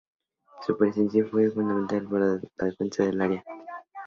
Su presencia fue fundamental para la defensa del área.